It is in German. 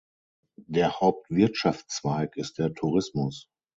Der Hauptwirtschaftszweig ist der Tourismus.